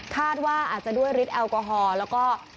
คาดว่าอาจจะด้วยฤทธแอลกอฮอล์แล้วก็